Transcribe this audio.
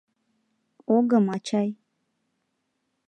Огым, ачай.